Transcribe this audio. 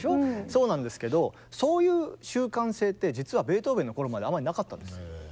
そうなんですけどそういう習慣性って実はベートーベンの頃まであまりなかったんです。